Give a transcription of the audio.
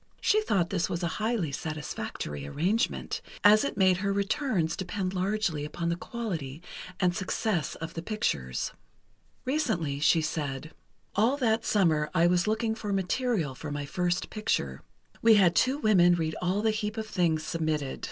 She thought this a highly satisfactory arrangement, as it made her returns depend largely upon the quality and success of the pictures. Recently, she said: "All that summer I was looking for material for my first picture. We had two women read all the heap of things submitted.